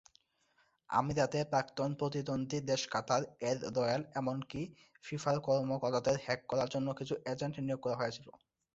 আমিরাতের প্রাক্তন প্রতিদ্বন্দ্বী দেশ কাতার, এর রয়াল এবং এমনকি ফিফার কর্মকর্তাদের হ্যাক করার জন্য কিছু এজেন্ট নিয়োগ করা হয়েছিল।